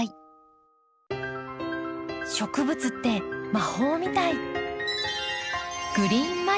植物って魔法みたい。